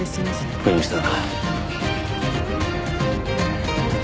わかりました。